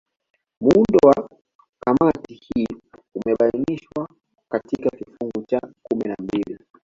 Muundo wa Kamati hii umebainishwa katika kifungu cha kumi na mbili